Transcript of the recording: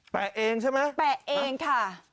แปะเองใช่ไหมหะแปะเองค่ะ